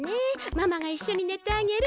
ママがいっしょにねてあげる。